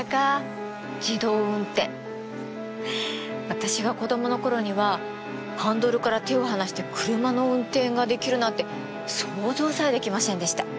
私が子供の頃にはハンドルから手を離して車の運転ができるなんて想像さえできませんでした。